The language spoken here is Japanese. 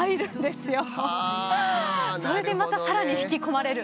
それでまたさらに引き込まれる。